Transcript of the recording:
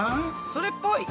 それっぽい。